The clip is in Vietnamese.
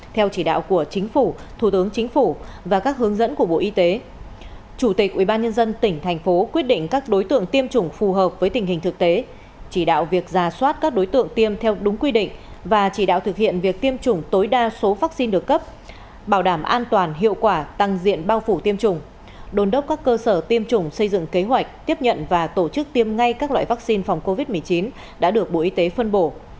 theo chỉ đạo của chính phủ thủ tướng chính phủ và các hướng dẫn của bộ y tế chủ tịch ubnd tỉnh thành phố quyết định các đối tượng tiêm chủng phù hợp với tình hình thực tế chỉ đạo việc ra soát các đối tượng tiêm theo đúng quy định và chỉ đạo thực hiện việc tiêm chủng tối đa số vaccine được cấp bảo đảm an toàn hiệu quả tăng diện bao phủ tiêm chủng đồn đốc các cơ sở tiêm chủng xây dựng kế hoạch tiếp nhận và tổ chức tiêm ngay các loại vaccine phòng covid một mươi chín đã được bộ y tế phân bổ